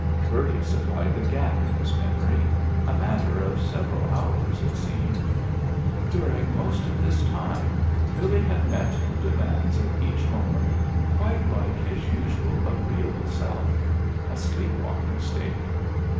Bertie supplied the gap in his memory, a matter of several hours, it seemed. During most of this time Billy had met the demands of each moment quite like his usual agreeable self a sleep walking state.